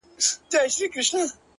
خالقه د آسمان په کناره کي سره ناست وو _